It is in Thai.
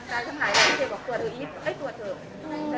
ดูดังใจสำหรับผู้เสียหรือซับตัว